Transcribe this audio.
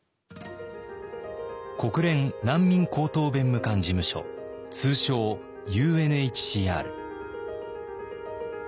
国連難民高等弁務官事務所通称ＵＮＨＣＲ。